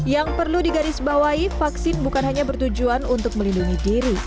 yang perlu digarisbawahi vaksin bukan hanya bertujuan untuk melindungi diri